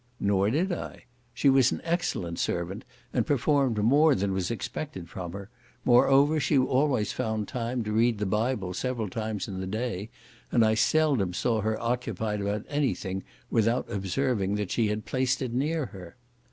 Nor did I. She was an excellent servant, and performed more than was expected from her; moreover, she always found time to read the Bible several times in the day, and I seldom saw her occupied about any thing without observing that she had placed it near her.